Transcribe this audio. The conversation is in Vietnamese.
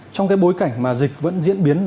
trong cái bối cảnh mà dịch vẫn diễn biến